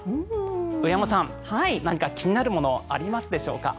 上山さん、何か気になるものありますでしょうか。